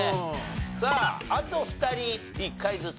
さああと２人１回ずつ。